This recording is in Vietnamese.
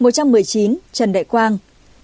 một trăm một mươi chín trần đại quang